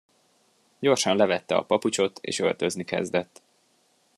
Gyorsan levette a papucsot, és öltözni kezdett.